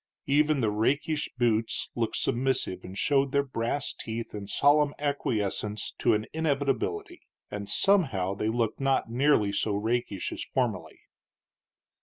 Even the rakish boots looked submissive, and showed their brass teeth in solemn acquiescence to an inevitability; and somehow they looked not nearly so rakish as formerly.